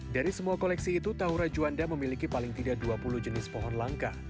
dari semua koleksi itu tahura juanda memiliki paling tidak dua puluh jenis pohon langka